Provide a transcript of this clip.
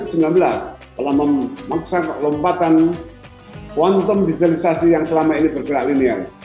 pada tahun dua ribu sembilan belas telah memaksa kelempatan kuantum digitalisasi yang selama ini bergerak linier